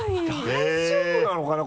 大丈夫なのかな？